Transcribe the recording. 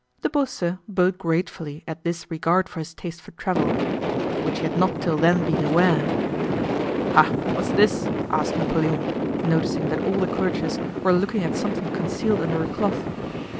De Beausset bowed gratefully at this regard for his taste for travel (of which he had not till then been aware). "Ha, what's this?" asked Napoleon, noticing that all the courtiers were looking at something concealed under a cloth.